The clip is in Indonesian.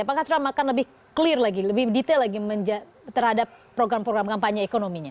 apakah trump akan lebih clear lagi lebih detail lagi terhadap program program kampanye ekonominya